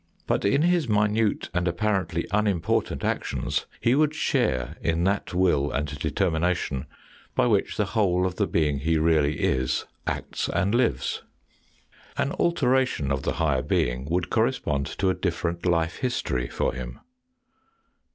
But in his minute and apparently unimportant actions he would share in that will and determination by which the whole of the being he really is acts and lives. An alteration of the higher being would correspond to a different life history for him.